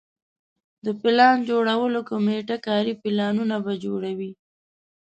د پلان جوړولو کمیټه کاري پلانونه به جوړوي.